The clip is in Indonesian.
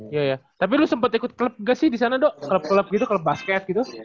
iya iya tapi lu sempet ikut klub gak sih di sana do klub klub gitu klub basket gitu